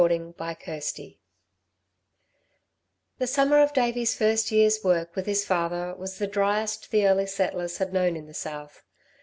CHAPTER XIII The summer of Davey's first year's work with his father was the driest the early settlers had known in the South.